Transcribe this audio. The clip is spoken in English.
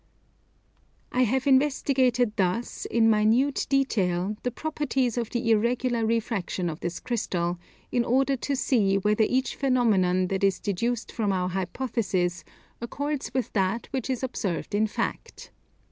I have investigated thus, in minute detail, the properties of the irregular refraction of this Crystal, in order to see whether each phenomenon that is deduced from our hypothesis accords with that which is observed in fact.